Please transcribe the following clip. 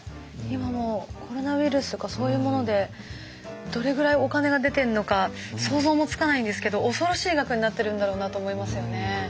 今もうコロナウイルスとかそういうものでどれぐらいお金が出てるのか想像もつかないんですけど恐ろしい額になってるんだろうなと思いますよね。